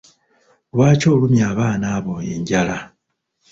Lwaki olumya abaana abo enjala?